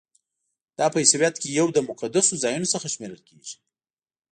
دا په عیسویت کې یو له مقدسو ځایونو څخه شمیرل کیږي.